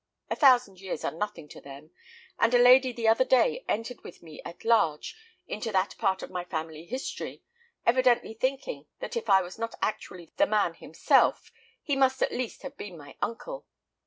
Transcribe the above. A thousand years are nothing to them; and a lady the other day entered with me at large into that part of my family history; evidently thinking that if I was not actually the man himself, he must at least have been my uncle.